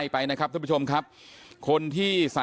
มีภาพวงจรปิดอีกมุมหนึ่งของตอนที่เกิดเหตุนะฮะ